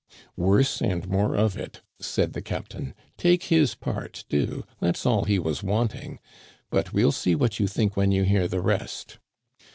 " Worse and more of it," said the captain. " Take his part, do ; that's all he was wanting. But we'll see what you think when you hear the rest.